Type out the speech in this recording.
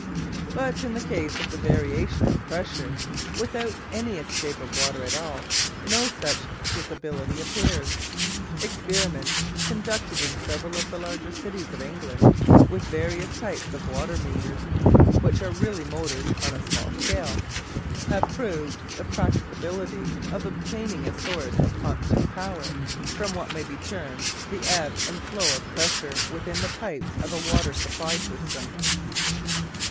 But in the case of the variation in the pressure, without any escape of water at all, no such disability appears. Experiments conducted in several of the larger cities of England with various types of water meters which are really motors on a small scale have proved the practicability of obtaining a source of constant power from what may be termed the ebb and the flow of pressure within the pipes of a water supply system.